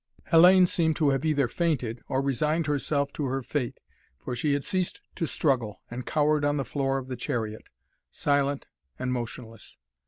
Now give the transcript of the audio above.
Hellayne seemed to have either fainted, or resigned herself to her fate, for she had ceased to struggle and cowered on the floor of the chariot, silent and motionless.